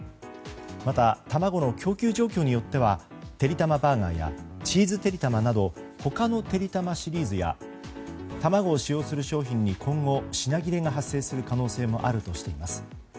また卵の供給状況によってはてりたまバーガーやチーズてりたまなど他のてりたまシリーズや卵を使用する商品に今後品切れが発生する可能性もあるとしています。